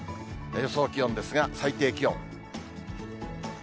予想気温ですが、最低気温。